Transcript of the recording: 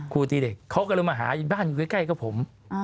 ครูตีเด็กเขาก็เลยมาหาบ้านอยู่ใกล้กับผม